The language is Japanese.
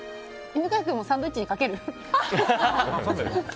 犬飼君もサンドウィッチにかける？